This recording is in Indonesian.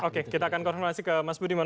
oke kita akan konfirmasi ke mas budiman